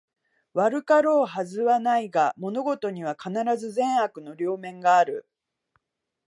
悪かろうはずはないが、物事には必ず善悪の両面がある